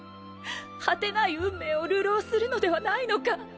果てない運命を流浪するのではないのか！？